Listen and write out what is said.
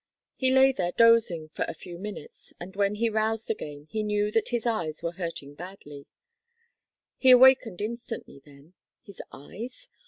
He lay there dozing for a few minutes and when he roused again he knew that his eyes were hurting badly. He awakened instantly then. His eyes?